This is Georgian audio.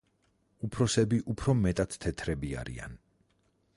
უფროსები უფრო მეტად თეთრები არიან.